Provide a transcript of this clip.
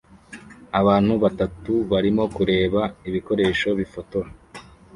Abantu batatu barimo kureba ibikoresho bifotora